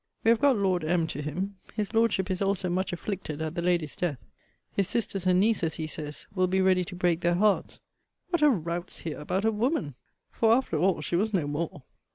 We have got Lord M. to him. His Lordship is also much afflicted at the lady's death. His sisters and nieces, he says, will be ready to break their hearts. What a rout's here about a woman! For after all she was no more.